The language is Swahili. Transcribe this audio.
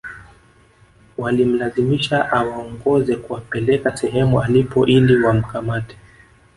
Walimlazimisha awaongoze kuwapeleka sehemu alipo ili wamkamate